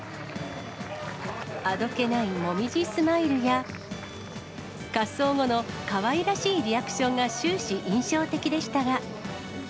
あどけない椛スマイルや、滑走後のかわいらしいリアクションが終始、印象的でしたが。